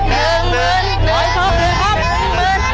หนึ่งหมื่นหนึ่งหมื่น